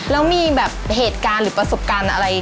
แล้วมีแบบเหตุการณ์หรือประสบการณ์อะไร